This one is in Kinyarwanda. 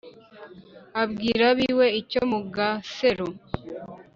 Abwira ab'iwe icyo mu gasero